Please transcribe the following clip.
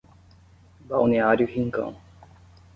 Balneário Rincão